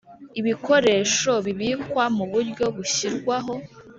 Ibikoresho bibikwa mu buryo bushyirwaho